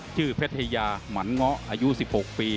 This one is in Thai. ชื่อเพชรไทยยาหมั่นง้ออายุ๑๖ปี